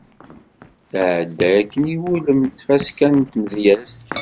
Tεedda akken iwulem tfaska n tmedyazt.